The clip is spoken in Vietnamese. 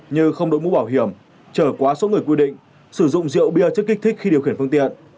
như không đổi mũ bảo hiểm trở quá số người quy định sử dụng rượu bia chất kích thích khi điều khiển phương tiện